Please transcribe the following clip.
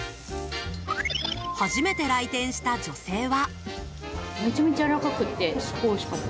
初めて来店した女性は。